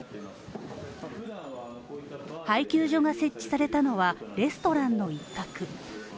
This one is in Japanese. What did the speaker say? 配給所が設置されたのはレストランの一角。